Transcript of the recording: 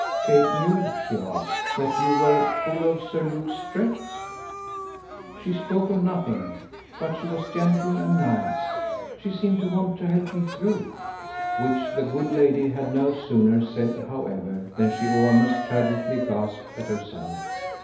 "Kate knew," she asked, "that you were full of Sir Luke Strett?" "She spoke of nothing, but she was gentle and nice; she seemed to want to help me through." Which the good lady had no sooner said, however, than she almost tragically gasped at herself.